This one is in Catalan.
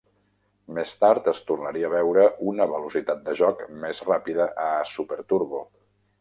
Més tard, es tornaria a veure una velocitat de joc més ràpida a "Super Turbo".